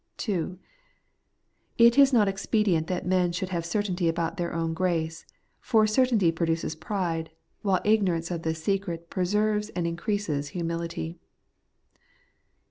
(2) It is not expedient that men should have certainty about their own grace ; for certainty produces pride, while ignorance of this secret preserves and increases humility.